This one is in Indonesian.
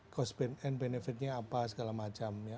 cost ben and benefitnya apa segala macam ya